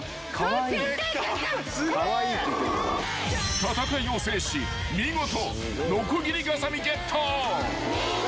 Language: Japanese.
［戦いを制し見事ノコギリガザミゲット］